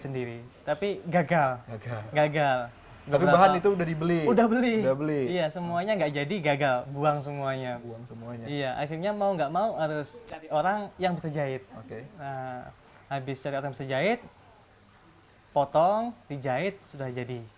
serta uang sepuluh juta rupiah